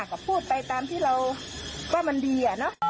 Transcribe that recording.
ก็มันดี